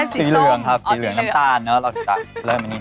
สีอะไรสิคะเป็นแดงชมพูเขียว